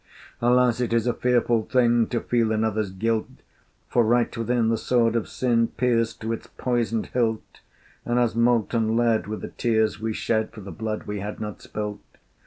Alas! it is a fearful thing To feel another's guilt! For, right within, the sword of Sin Pierced to its poisoned hilt, And as molten lead were the tears we shed For the blood we had not spilt.